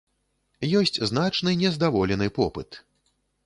Ёсць значны нездаволены попыт.